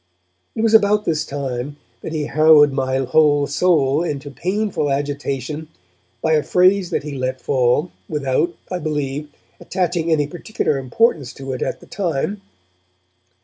It was about this time that he harrowed my whole soul into painful agitation by a phrase that he let fall, without, I believe, attaching any particular importance to it at the time.